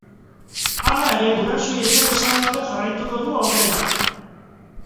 Hala ere, gurasoei ezer esan gabe jarraituko du aurrera.